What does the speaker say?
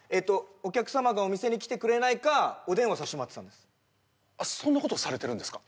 お客様がお店に来てくれないかお電話させてもらってたんですそんなことされてるんですか？